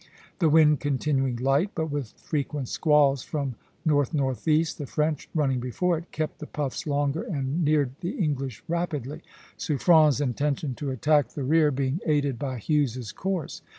The wind continuing light, but with frequent squalls, from north northeast, the French, running before it, kept the puffs longer and neared the English rapidly, Suffren's intention to attack the rear being aided by Hughes's course.